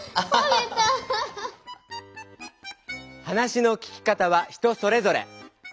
話の聞き方は人それぞれ。